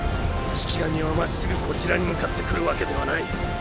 式神はまっすぐこちらに向かってくるわけではない。